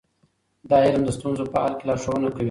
دا علم د ستونزو په حل کې لارښوونه کوي.